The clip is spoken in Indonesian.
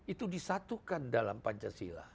itu disatukan dalam pancasila